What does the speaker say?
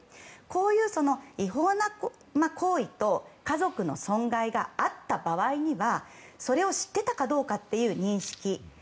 こういう違法な行為と家族の損害があった場合にはそれを知っていたかどうかという認識。